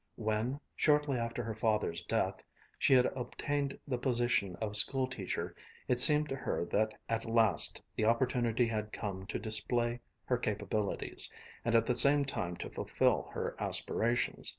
When, shortly after her father's death, she had obtained the position of school teacher, it seemed to her that at last the opportunity had come to display her capabilities, and at the same time to fulfil her aspirations.